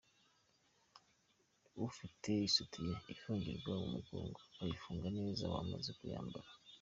Ufite isutiye ifungirwa mu mugongo, ukayifunga neza wamaze kuyambara.